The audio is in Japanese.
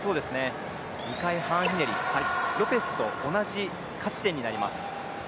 １回半ひねり、ロペスと同じ勝ち点になります。